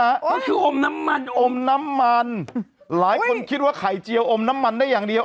ก็คืออมน้ำมันอมน้ำมันหลายคนคิดว่าไข่เจียวอมน้ำมันได้อย่างเดียว